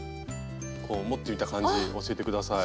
こう持ってみた感じ教えて下さい。